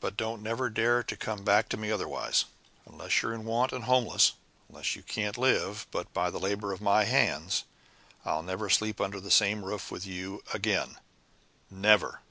But don't never dare to come back to me otherwise! Unless you're in want and homeless, unless you can't live, but by the labor of my hands, I'll never sleep under the same roof with you again. Never!"